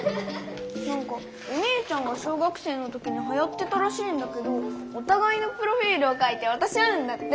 なんかお姉ちゃんが小学生の時にはやってたらしいんだけどおたがいのプロフィールを書いてわたし合うんだって。